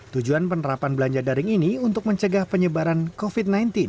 tujuan penerapan belanja daring ini untuk mencegah penyebaran covid sembilan belas